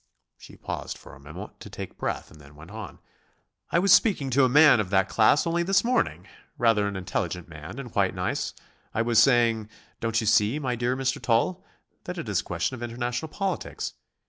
She paused for a minute to take breath and then went on: "I was speaking to a man of that class only this morning, rather an intelligent man and quite nice I was saying, 'Don't you see, my dear Mr. Tull, that it is a question of international politics.